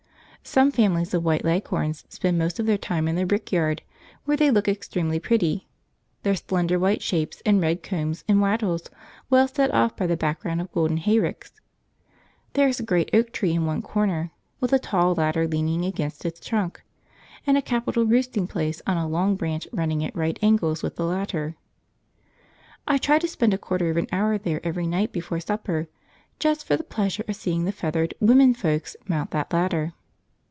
Some families of White Leghorns spend most of their time in the rickyard, where they look extremely pretty, their slender white shapes and red combs and wattles well set off by the background of golden hayricks. There is a great oak tree in one corner, with a tall ladder leaning against its trunk, and a capital roosting place on a long branch running at right angles with the ladder. I try to spend a quarter of an hour there every night before supper, just for the pleasure of seeing the feathered "women folks" mount that ladder.